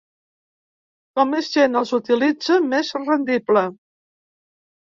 Com més gent els utilitza, més rendible.